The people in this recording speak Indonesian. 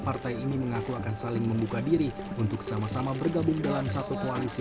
partai ini mengaku akan saling membuka diri untuk sama sama bergabung dalam satu koalisi